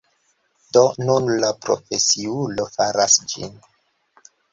Do, nun la profesiulo faras ĝin